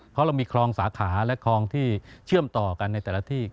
เพราะเรามีคลองสาขาและคลองที่เชื่อมต่อกันในแต่ละที่